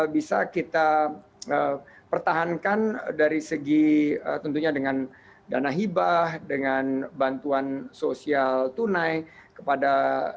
bisa kita pertahankan dari segi tentunya dengan dana hibah dengan bantuan sosial tunai kepada